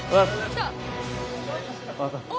「来た！」